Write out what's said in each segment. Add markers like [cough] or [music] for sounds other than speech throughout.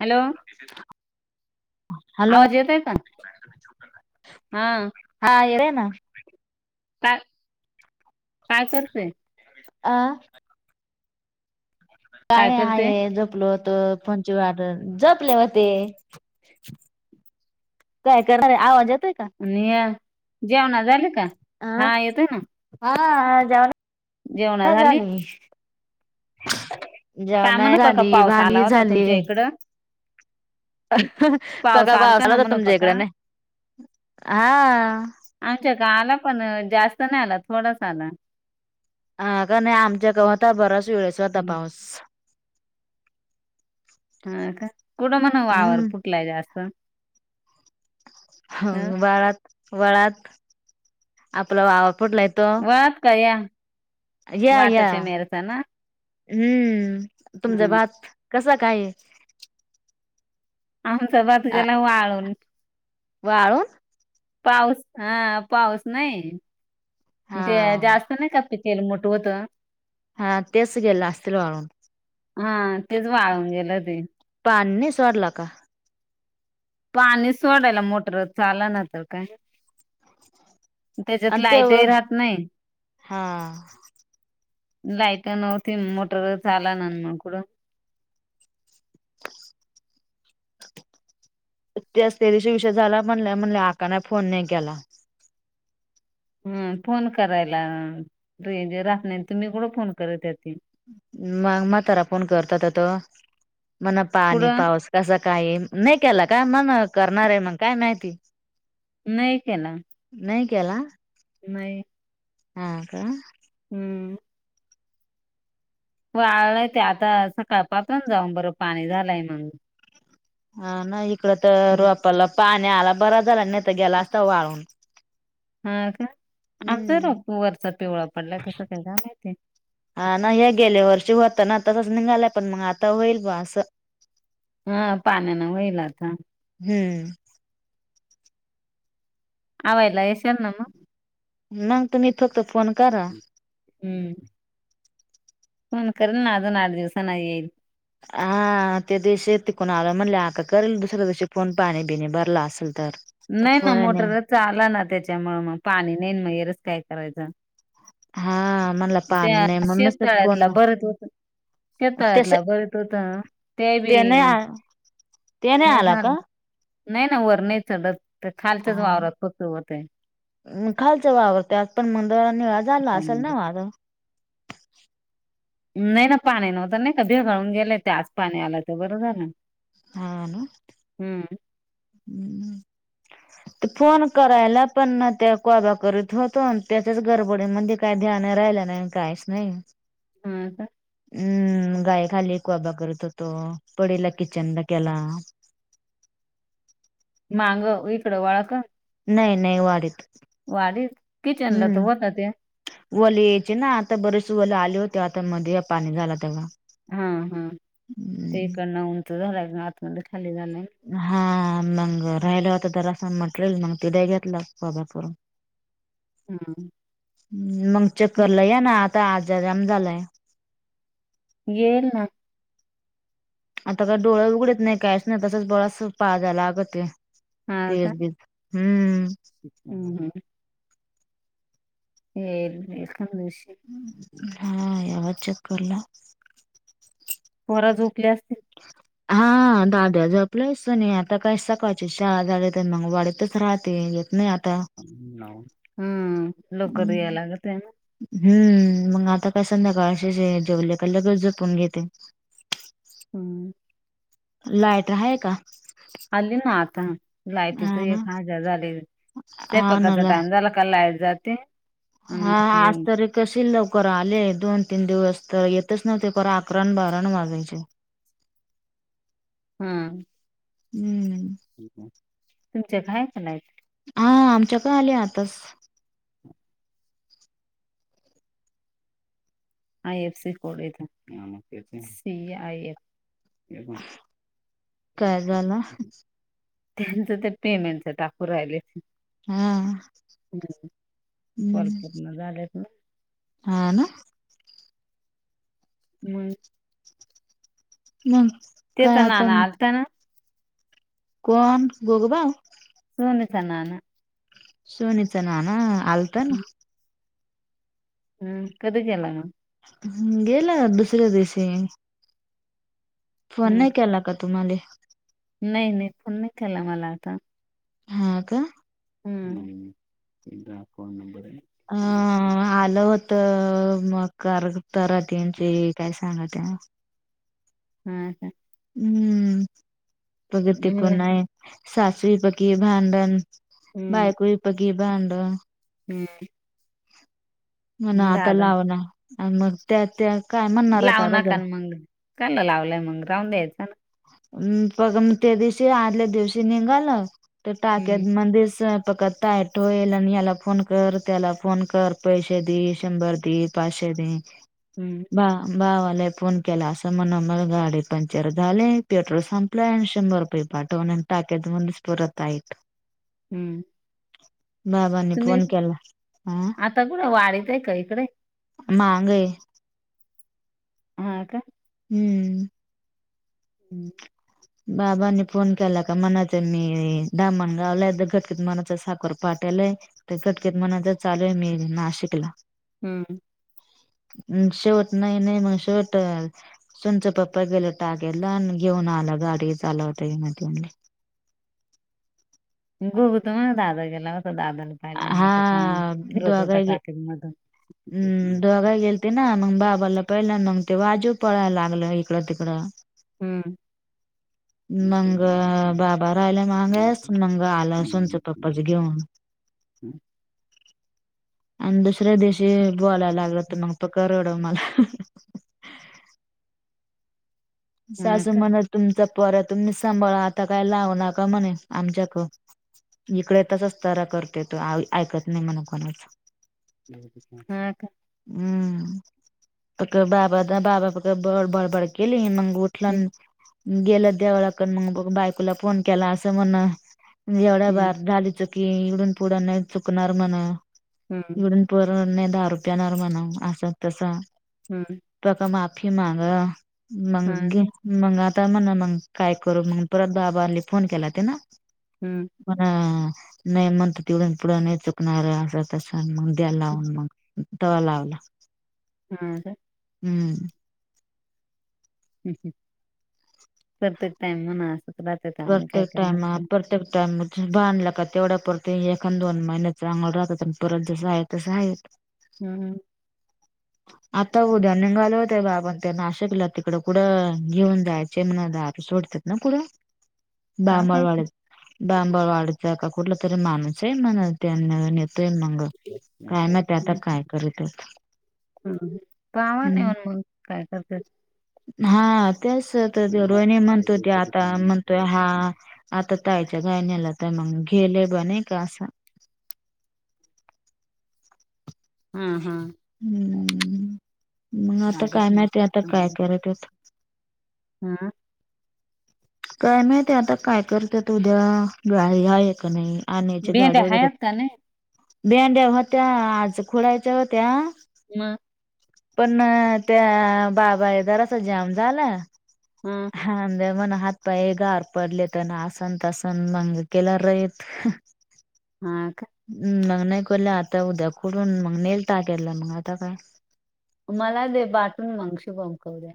Hello hello हां. हा येळ हाय ना. काय काय करतेंय? आं काय नाही आहे झोपलो होतो फोनची वाट बघत झोेपले होते. काय करणार आहे. आवाज येत आहे का? आणि या जेवणा झाले का? हा येतोय ना अंह हां जेवान आताच झाली. काय जेवण म्हणू पका झाली, पाऊस आला भांडी होता झाली. तुमच्या इकडं पाऊस तका आलता ना बासाला तर म्हणू तुमच्या पका इकड नाही. हां. आमच्या क आला पण जास्त नाही आला थोडाच आला. हां का नाही आमच्या गावत बराच वेळेस होता पाऊस. हां का कुठं म्हण वावर हम्म फुटलाय जास्त. हं ह वाळात वाळात आपला वावार फुटलाय. तो वात काया या या हम्म तुमचा ह भात कसा काय? आमच भात गेला वाळून. वाळून पाऊस हं पाऊस नाही हा ते जास्त नाही का पीक हेलमठ होतं. हां तेच गेले असतील म्हणून? हा तेच वाळून गेलं ते. पान नाही सोडल का? पाणी सोडायला मोटर चाला ना तर काय? त्याच्यात आणि ते लायतही राहत नाही. हा लाईट नव्हती मोटर झाला ना म कुडून तेतरीशी विषय झाला म्हणल्या म्हणले आका नाही फोन नाही केला? हम फोन करायला रेंज राहणार तुम्ही कडं फोन कर त्यातील? मग मातारा फोण करतात आता मणा पाणी कुठं पाऊस. कस काय नाही केला काय मण करणार आहे मग काय माहिती. नाही केला. नाही केला. नाही हा का. हम्म वाळलंय ते आता सकाळपासुन जाऊन बरं पाणी झालंय म्हण. हा ना इकड तर आपला पाणी आला बरा झाला नाही तर गेला असता वाळून. हा का आमचा र हम्म वरचा पिवळा पडला कसं काही मा ते. हा ना हे गेले वर्षी होत ना तसंच निघालंय पण मग आता होईल ब असं. हा पाण्या न वईल आता. हम्म आवला येसर नन. मग तुम्ही फक्त फोन करा? हम्म फोन करेल ना अजून आठ दिवसांना येईल? हा त्या दिवशी य त कोणा आला म्हणले आका करेल दुसऱ्या दिवशी फोन पाणी बिणे भरला असेल तर तर नाही ना फोन मोटर आला ना त्याच्यामुळे मग पाणी नाही काय करायचं. हा म्हणला पाणी त्या नाही म्हणूनच तर फोन शेतकाळ्यातला बरत होत. तस शताळ्यातला बरत होत ते बी नाही आ ते नाही आला का? झालं. नाही ना वर नाही जडत. [unintelligible] म खालचं वावरते आज पण मंगवार नि व झाला असेल ना वाझ. नाही ना पाणी नव्हत नाही का भिगाळून गेलंय त्याच पाणी आलायच बरं झालं. हा ना हम्म हम्म [inaudible] फोन करायला पण त्या कोबा करत होतो आमच्याचच गडबडीमध्ये. काय ध्यान राहिला नाही काहीच नाही. हा का हम्म गाय खाली कुवाबा करत होतो पडला किचनला केला. मग इकडं वळ का. नाही नाही वाढत. वाडी किचन ला तर होत ते. वले यायचे ना आता बरेच वले आले होते आता मध्ये पाणी झाला तेवढ. हा हा ते इकडन उंच झालंय आतमध्ये खाली झालंय. हा मग राहिलं होता तर असं म्हटलेल मग तिथे घेतलं बाबा करून. हम्म मग चक्करला या ना आता आजाजम झालाय येल ना. आता काय डोळे उघडत नाही काहीच नाही तसच बळा पाजयला लागत ते तेस बीज. हम्म हम् हम [unintelligible] [unintelligible] पोरा झोपल्या असतील. [inaudible] हा दाद्या झोपल्या असन आता काही सकाळची शाळा झाल्या तर मग वाडीतच राहते येत नाही आता. हम्म लवकर याय लागत आहे ना. हम्म मग आता काय संध्याकाळशीे जेवले का लगेचच झोपून घेते. हमम. लाईट आहे का? आलीना आता. लायटीच हा ना एक हजार झाले हा ना त्याच्याकडचा ला टाईम झाला की लाईट जाते. हा आणि आज तारीख नशीब लवकर आले दोन तीन दिवस तर येतच नव्हते पार अकरा बारापण वाजायचे. हमम. हमम. तुमच्या घरात पण आहेत. हा आमच्यापण आले आताच. आय एफ सी कोड येत आय एफ. चहा झाला. त्यांचं ते पेमेंटच टाकू राहिले असतील. हा कॉल हमम. पूर्ण [inaudible] हा ना. हमम. नाही. ते तर नाना आलता ना. कोण गोरोबा. सूणच ना ना. सुनिता नाना आलता ना. हमम कधी गेला मग हमम गेल्या दुसऱ्या दिवशी. फोन हम्म नाही केला का तुम्हाले. नाही नाही फोन नाही केला मला आता. हा का? हमम. एकदा फोन नंबर हाआ आलं होत मग काय तरात्यांची काय [unintelligible] हा काय. हमम प्रगती मला कोणाय? सासरी पकी भांडण बायको पकी भांडण. हमम. म्हणा आता लाव ना मग त्या त्या काय म्हणणारता आता जर. काय लावलंय मग राहून द्यायचं ना. त्या दिवशी आदल्या दिवशी निघाल तर हम्म टाक्यात मधीच पकत. तयटो येल आणि याला फोन कर त्याला फोन कर पैसे दे शंभर दे पाचशे दे. हमम. हा भा भावाला फोन केला असं म्हणा मला गाडी पंक्चर. झाले पेट्रोल संपला शंभर रुपय पाठव टाकेत मणस परताईत. हमम. बाबानी फोन केला हं आता कुठं वाडीत आहे का इकडे [inaudible] हा का. हम्म. [inaudible] बाबांनी फोन केला का म्हनाच मी दामण गावला [unintelligible] मनाच साखर [unintelligible] नाशिकला हम्म. म्ह शेवट नाही नाही [unintelligible] सुनच पप्पा गेलं [inaudible] घेऊन आला गाडी चालवता म [unintelligible] दादा गेला होता हा [unintelligible] [unintelligible] फिरत दोघाही गे होता [unintelligible] ते ना मग बाबाला पहिल्या मग ते वाजू पळायला लागलं इकडं तिकडं. हम्म. मंग बाबा राहायला मगायस मंग आला सुनच पप्पाच घेऊन. [inaudible] आणि दुसऱ्या दिवशी बोलायला लागलंत मग प करवडं मला हा सासू का म्हणल तुमचा पोर तुम्ही सांभाळा आता काय लावू नका म्हणे आमच्याक इकडे [unintelligible] ऐकत नाही म्हण कोणाच हा का. हम्म फ का बाबा बाबा फक बडबडबड केली मंग उठलान हम्म गेलं देवळा कड मग ब बायकोला फोन केला अस म्हण जेवढ्या हम्म बर झाली चुकी इवडून पुढं नाही चुकणार म्हण हम्म इवडून पर नाही दहा रुपयेणार म्हणा असं तसं हम्म. [unintelligible] माफी मागा [unintelligible] हा का मग आता म्हणणा मग काय करू मग परत बाबांनी फोन केला ते ना हम्म. पण नाही म्हणत तेवढून पुढं नाही चुकणार असं तस मग द्यायला लावून मग तवा लावला. [inaudible] हम्म. प्रत्यक टाईम म्हणा असच राहतेत आम्ही काय प्रत्येक करणार टाइमा पण [unintelligible] बांधला का तेवढा परत एखा दोन महिन्या चांगलं राहतात प परत जसं आहे तसं आहे [unintelligible] हम्म. आता होऊ दे्या [unintelligible] सोडतात का माहिती [unintelligible] [unintelligible] कुठला तरी माणूस आहे मग त्यां न येतोय मग काय माहिती आता काय करत आहेत? [unintelligible] काय करत हा. [unintelligible] म्हणतो ते आता म्हणतोय हा [inaudible] आता तायच्या गायण्याला तर मग गेले बण का असं. हा हा. हम्म. मग आता राहिलेत काय ना माहिती आता काय करतायत. हा. काय माहिती आता काय करत उद्या [unintelligible] आहे का नाही. आणची भेंड्या गाडी वगैरे आहेत का नाही? भेंड्या होत्या आज खुडायच्या होत्या मग. पण त्या बाबायद अस जाम झाला हम् हांंद मण हात पाय गार पडले तर ना आसन तसन मंग केल्या राहीत हा का हम् मग नाही करलं आता उद्या कुठून मग नेल टाकला मग आता काय मला दे बाटून मगशी बंकवू द्या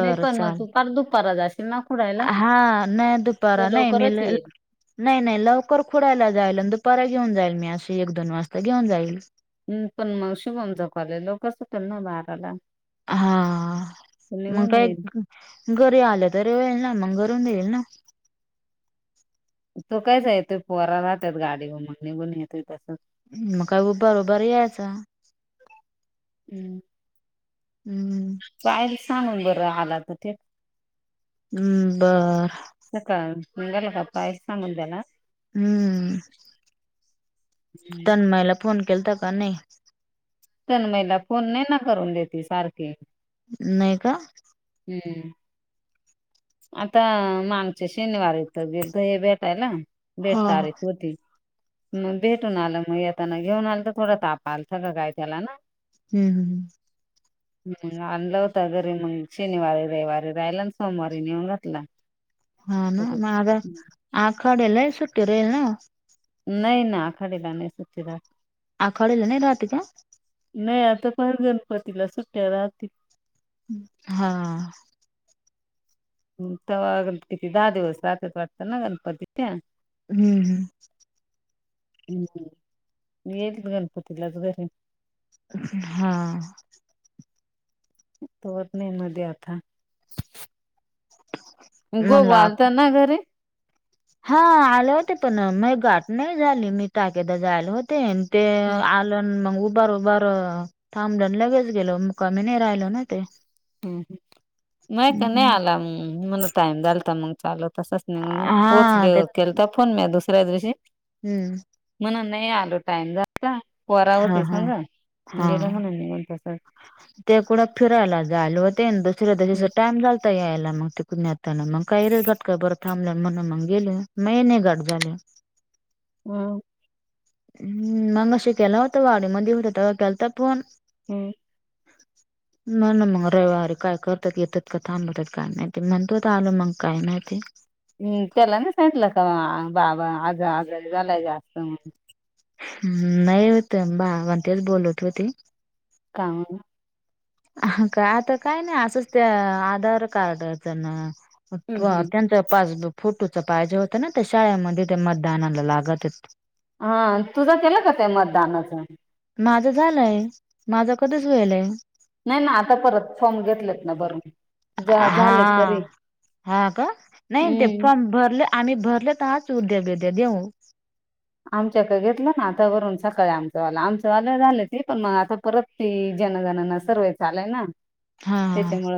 नाही पण मग चाल तू प दुपार जा समा हा नाही दुपारा नाही लवकरच मले येईल. नाही नाही लवकर खोडयला जाईल आणि दुपार घेऊन जाईल मी असशी एक दोन वाजता घेऊन जाईल हम् पण मग शुभम जवाले लोकसकल ना बाराला हा तो मग निघून काय येईल. घरी आलं तरी होईल ना मग घरून देईल ना तू कायच येतोय पोरा राहतात गाडी मगणी बण येतय तस मका बरोबर आहे आ हम् हम्म पाय सांगून बरं आला तर ठठीक हम् बर अ का हंगला का पायस मुद्याला हम्म हम् तन्माईला फोन केलता का नाही तरण महिला फोन नाही ना करून देते सारखे नाही का हम्म आता मागच्या शनिवार यथ गेल तर हे भेटायला भेट हा तारीख होती मग भेटून आलं मग येताना घेऊन आलं तर थोडा ताप आल स का काय त्याला ना हम् हम ह हम् अनलाव तगरी मग शनिवार रे वारयला ना सोमवार री नेऊन घातला हा ना परत मग आखडला सुट्टर येल ना नाही ना खडेला नाही सु आ खळला नाही राहतेच्या नाही आता पण गणपतीला सुट्ट्या राहतील हा तर गणपिती दहा दिवस रहत वाटत ना गणपतीच्या हम्म हम्म हम्म येल् गनपतीलाच बघीन हा होतं नाही मध्ये आता भाऊ म्हणला आणताना घरी हा आलं होत पण मग गाठ नाही झाली मी ताकदा जायला होते ते हम्म आलंन मग उभार उभार थांबडून लगेच गेलो मुकामी नाही राहिलो ना ते हम्म नाही का नाही आला मला टाइम झालता मग चालत तसच नाही हा पोहोचले ते केल तर फोन मी दुसऱ्या दिवशी हम्म म्हण नाही आलो टाइम जा परा हा होती हा समजा हा गेलो म्हणून निघून तस ते कुठं फिरायला जाल होते दुसरचा टाइमल यायला मग ते कुून आता मग काही रे घात का बरं थांबलं म्हण मग गेले म गाट झाले हम हम्म मग अे केलं होत वाडी मध्ये होत तेव्हा केलता फोन [inaudible] [inaudible] म मग रविवारी काय करतात येतात का थांबवतात काय नाही ते म्हणतो तर आल मग काय नाही ते हम् त्याला ना सांटलं का बाबा आज आजरी झालाय जास्त ह् नाही होत बा वंतच बोलत होते का ह का आता काय नाही असंच त्या आधार कार्डच ना हम्म हम्म त्यांच पासबूक फोटोच पाहिजे होतं ना त्या शाळेमध्ये ते मतदानाला लागतच हा तुझा केला का ते मतदानाचं माझं झालंय माझं कधीच वेयलय नाही ना आता परत फॉर्म घेतलेत ना भरून ज हा झाले तरी हा का नाही ते हम्म फॉर्म भरले आम्ही भरले तरच उद्या बिद्या देऊ आमच्याकडे घेतलं ना आता वरून सकाळी आमचवाला आमवाले झाले ती पण मग आता परत ती जन गणना सर्वे चालूय ना हा हा त्याच्यामुळे